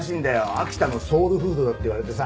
秋田のソウルフードだって言われてさ。